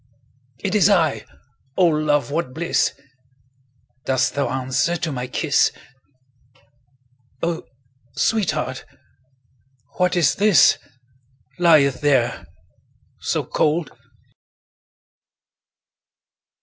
20 It is I—O love, what bliss! Dost thou answer to my kiss? O sweetheart! what is this Lieth there so cold?